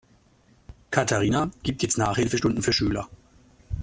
Katharina gibt jetzt Nachhilfestunden für Schüler.